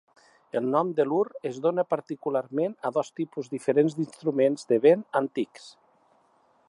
El nom de lur es dóna particularment a dos tipus diferents d'instruments de vent antics.